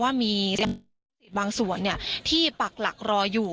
ว่ามียามพิธีศาสตร์ในบางส่วนที่ปรักหลักรออยู่